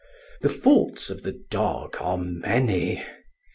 The faults of the dog are many.